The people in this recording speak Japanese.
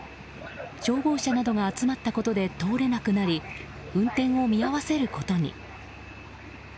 消防車などが集まったことで通れなくなり運転を見合わせることに。